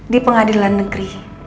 di pengadilan negeri